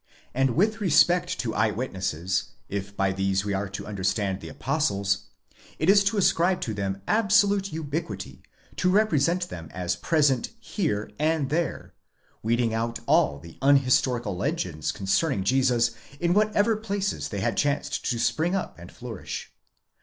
And with respect to eye witnesses, if by these we are to understand the Apostles, it is to ascribe to them absolute ubiquity, to represent them as present here and there, weeding out all the unhistorical legends concerning Jesus in whatever places they had chanced to spring up and flourish.